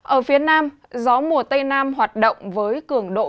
ở phía nam gió mùa tây nam hoạt động với cường độ